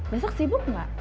besok sibuk ga